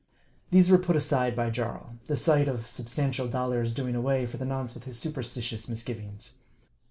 These were put aside by Jarl ; the sight of substan tial dollars doing away, for the nonce, with his superstitious misgivings.